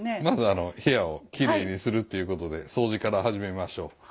まず部屋をきれいにするっていうことで掃除から始めましょう。